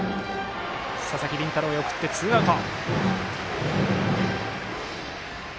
佐々木麟太郎へ送ってツーアウト。